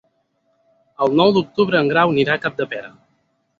El nou d'octubre en Grau anirà a Capdepera.